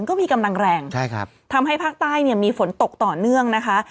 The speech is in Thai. ก็มีกำลังแรงทำให้ภาคใต้มีฝนตกต่อเนื่องนะคะ